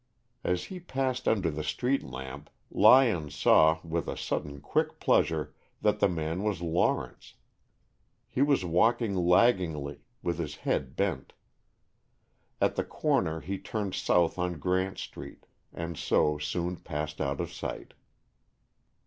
As he passed under the street lamp, Lyon saw, with a sudden quick pleasure, that the man was Lawrence. He was walking laggingly, with his head bent. At the corner he turned south on Grant Street, and so soon passed out of sight.